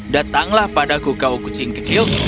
datanglah padaku kau kucing kecil